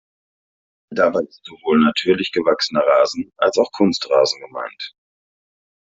Dabei ist sowohl natürlich gewachsener Rasen als auch Kunstrasen gemeint.